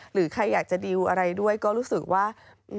หรือใครอยากจะดิวอะไรด้วยก็รู้สึกว่า